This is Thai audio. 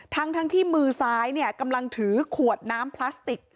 ทั้งที่มือซ้ายกำลังถือขวดน้ำพลาสติก